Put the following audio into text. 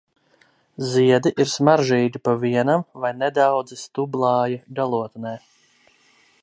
Ziedi ir smaržīgi, pa vienam vai nedaudzi stublāja galotnē.